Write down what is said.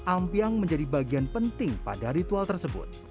ampiang menjadi bagian penting pada ritual tersebut